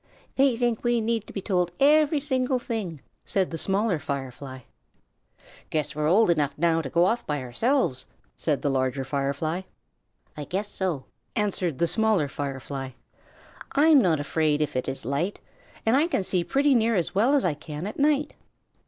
"They think we need to be told every single thing," said the Smaller Firefly. "Guess we're old enough now to go off by ourselves," said the Larger Firefly. "I guess so," answered the Smaller Firefly. "I'm not afraid if it is light, and I can see pretty near as well as I can at night."